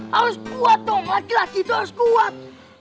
harus kuat dong laki laki itu harus kuat